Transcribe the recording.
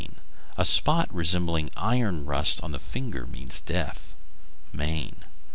A spot resembling iron rust on the finger means death. _Maine.